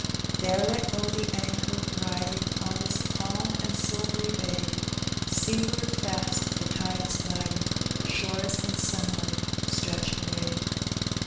There let go the anchor. Biding, On this calm and silvery bay, Seaward fast the tide is gliding, Shores in sunlight stretch away.